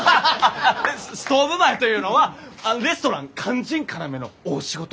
ストーブ前というのはレストラン肝心要の大仕事。